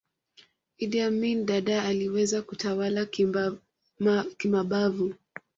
idd amin dada aliweza kutawala kimabavu